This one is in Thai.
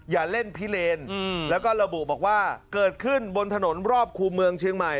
อย่าเล่นพิเลนแล้วก็ระบุบอกว่าเกิดขึ้นบนถนนรอบคู่เมืองเชียงใหม่